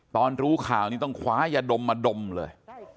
ตอนรู้ข่าวนี้ต้องขวาอย่าดมมาดมเลย